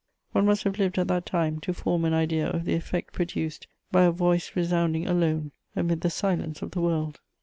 One must have lived at that time to form an idea of the effect produced by a voice resounding alone amid the silence of the world.